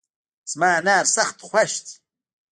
زما انار سخت خوښ دي